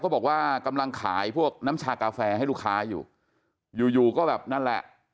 บอกว่ากำลังขายพวกน้ำชากาแฟให้ลูกค้าอยู่อยู่ก็แบบนั่นแหละ